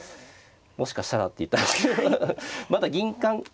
もしかしたらって言ったんですけどまだ銀冠これでやはり。